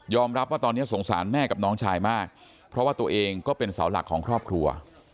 รับว่าตอนนี้สงสารแม่กับน้องชายมากเพราะว่าตัวเองก็เป็นเสาหลักของครอบครัว